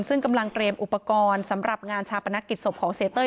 ซึ่งกำลังเตรียมอุปกรณ์สำหรับงานชาปนกิจศพของเสียเต้ย